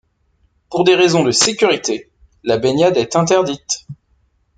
Pour des raisons de sécurité, la baignade est interdite.